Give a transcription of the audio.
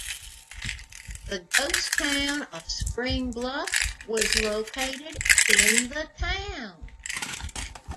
The ghost town of Springbluff was located in the town.